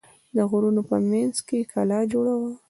د غرونو په منځ کې کلا جوړه وه.